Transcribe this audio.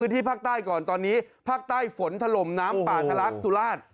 ที่ภาคใต้ก่อนตอนนี้ภาคใต้ฝนถล่มน้ำป่าทะลักสุราช